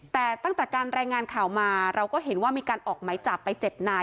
แต่ตั้งแต่การรายงานข่าวมาเราก็เห็นว่ามีการออกไหมจับไป๗นาย